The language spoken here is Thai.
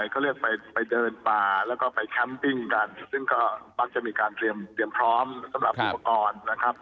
เขาเรียกไปเดินป่าแล้วก็ไปแคมปิ้งกันซึ่งก็มักจะมีการเตรียมพร้อมสำหรับอุปกรณ์นะครับ